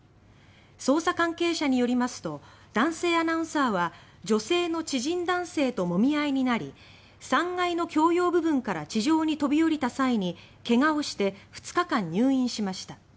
捜査関係者によりますと男性アナウンサーは女性の知人男性ともみあいになり３階の共用部分から地上に飛び降りた際にけがをして２日間入院しました。